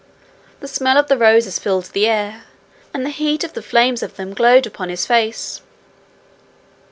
The smell of the roses filled the air, and the heat of the flames of them glowed upon his face.